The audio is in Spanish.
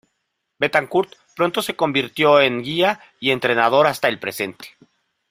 Betancourt pronto se convirtió en guía y entrenador hasta el presente.